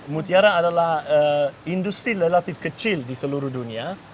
mutiara adalah industri relatif kecil di seluruh dunia